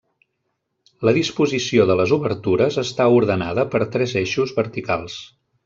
La disposició de les obertures està ordenada per tres eixos verticals.